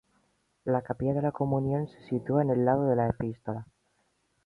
La capilla de la Comunión se sitúa en el lado de la epístola.